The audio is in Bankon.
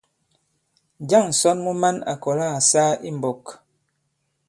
Njâŋ ǹsɔn mu man à kɔ̀la à saa i mbɔk?